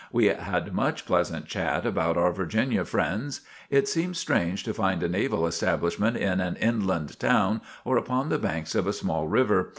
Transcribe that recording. We had much pleasant chat about our Virginia friends. It seemed strange to find a naval establishment in an inland town or upon the banks of a small river.